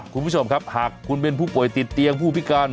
คุณผู้ชมครับหากคุณเป็นผู้ป่วยติดเตียงผู้พิการ